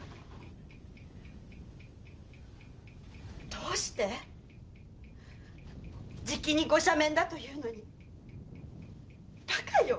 どうして⁉じきに御赦免だというのにバカよ‼